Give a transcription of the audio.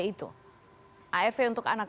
itu arv untuk anak